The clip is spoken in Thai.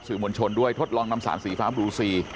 มวลชนด้วยทดลองนำสารสีฟ้าบลูซี